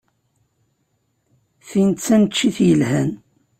Tin d taneččit yelhan.